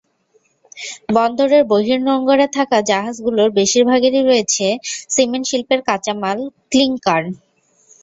বন্দরের বহির্নোঙরে থাকা জাহাজগুলোর বেশির ভাগেই রয়েছে সিমেন্ট শিল্পের কাঁচামাল ক্লিংকার।